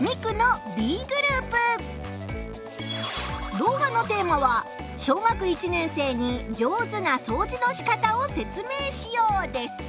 動画のテーマは「小学１年生に上手なそうじのしかたを説明しよう」です。